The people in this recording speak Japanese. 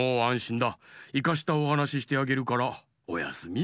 いかしたおはなししてあげるからおやすみ。